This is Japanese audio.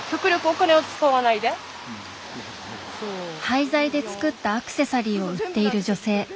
廃材で作ったアクセサリーを売っている女性。